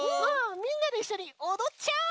みんなでいっしょにおどっちゃおう！